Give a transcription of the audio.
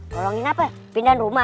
tolongin apa pindah rumah